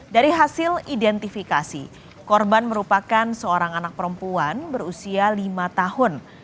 dari hasil identifikasi korban merupakan seorang anak perempuan berusia lima tahun